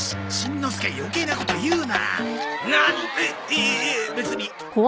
いいえ別に。